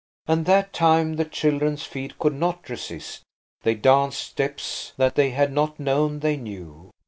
And that time the children's feet could not resist. They danced steps that they had not known they knew.